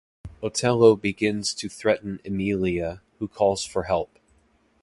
Otello begins to threaten Emilia, who calls for help.